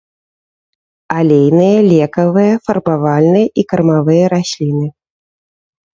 Алейныя, лекавыя, фарбавальныя і кармавыя расліны.